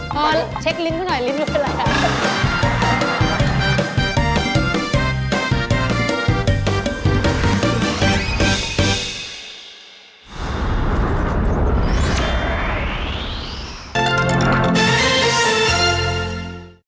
พอลเช็คลิ้นเข้าหน่อยลิ้นเลือกอะไร